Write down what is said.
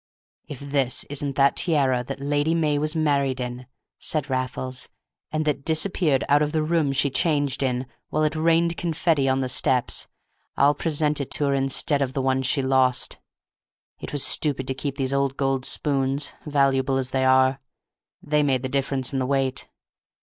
"If this isn't that tiara that Lady May was married in," said Raffles, "and that disappeared out of the room she changed in, while it rained confetti on the steps, I'll present it to her instead of the one she lost.... It was stupid to keep these old gold spoons, valuable as they are; they made the difference in the weight....